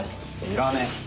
いらねえ。